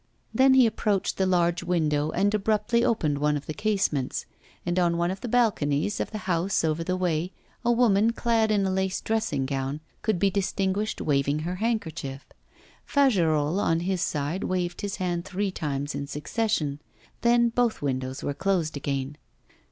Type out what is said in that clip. Then he approached the large window, and abruptly opened one of the casements; and on one of the balconies of the house over the way a woman clad in a lace dressing gown could be distinguished waving her handkerchief. Fagerolles on his side waved his hand three times in succession. Then both windows were closed again.